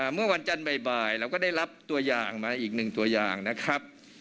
เมื่อวันจันทร์บ่ายเราก็ได้รับตัวอย่างมาอีกหนึ่งตัวอย่างนะครับ